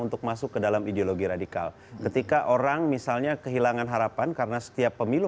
untuk masuk ke dalam ideologi radikal ketika orang misalnya kehilangan harapan karena setiap pemilu